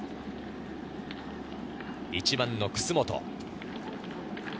１番・楠本。